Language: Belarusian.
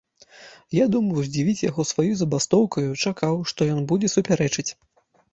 Я думаў здзівіць яго сваёю забастоўкаю, чакаў, што ён будзе супярэчыць.